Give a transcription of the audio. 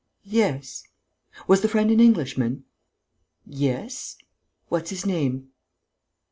"Yes." "Was the friend an Englishman?" "Yes." "What's his name?"